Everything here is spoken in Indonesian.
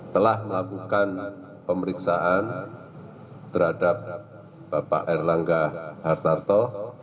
telah melakukan pemeriksaan terhadap bapak erlangga hartarto